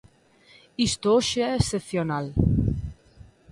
Isto hoxe é excepcional.